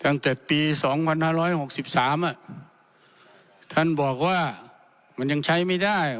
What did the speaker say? ตั้งแต่ปีสองพันห้าร้อยหกสิบสามอ่ะท่านบอกว่ามันยังใช้ไม่ได้